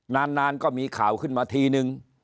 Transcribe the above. นานก็มีข่าวขึ้นมาทีนึง